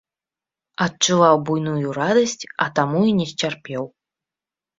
Адчуваў буйную радасць, а таму і не сцярпеў.